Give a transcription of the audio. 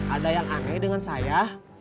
ada yang aneh dengan saya